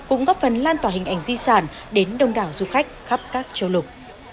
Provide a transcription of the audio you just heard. cũng góp phần lan tỏa hình ảnh di sản đến đông đảo du khách khắp các châu lục